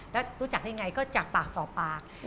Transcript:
แล้วรู้จักได้ไงก็จากปากต่อปาก